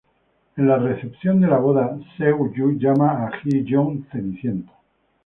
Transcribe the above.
En la recepción de la boda, Seok-gu llama a Ji-yeon "Cenicienta".